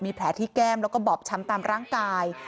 แผลที่แก้มแล้วก็บอบช้ำตามร่างกาย